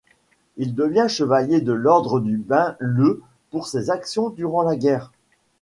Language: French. Il devient Chevalier de l'Ordre du Bain le pour ses actions durant la guerre.